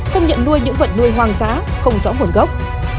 không nhận nuôi những vật nuôi hoang dã không rõ nguồn gốc